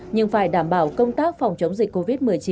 nhưng phải đảm bảo công tác phòng chống dịch covid một mươi chín